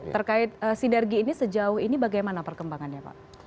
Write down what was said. terkait sinergi ini sejauh ini bagaimana perkembangannya pak